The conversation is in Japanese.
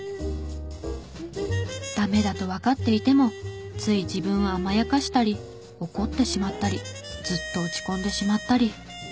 ダメだとわかっていてもつい自分を甘やかしたり怒ってしまったりずっと落ち込んでしまったり。